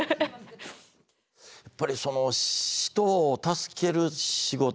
やっぱりその人を助ける仕事。